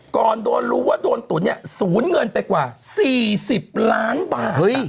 ก่อนโดนรู้ว่าโดนตุ๋นเนี่ยศูนย์เงินไปกว่า๔๐ล้านบาท